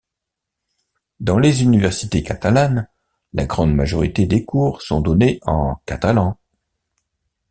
Dans les universités catalanes, la grande majorité des cours sont donnés en catalan.